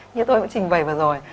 như tôi cũng trình bày vừa rồi